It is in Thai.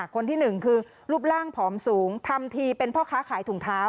คนที่หนึ่งคือรูปร่างผอมสูงทำทีเป็นพ่อค้าขายถุงเท้า